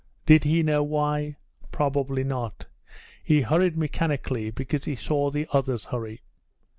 Did he know why? probably not: he hurried mechanically because he saw the others hurry.